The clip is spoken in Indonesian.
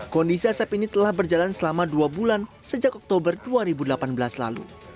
kondisi asap ini telah berjalan selama dua bulan sejak oktober dua ribu delapan belas lalu